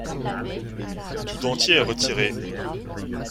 Tout dentier est retiré.